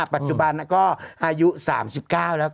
ปัจจุบันก็อายุ๓๙แล้ว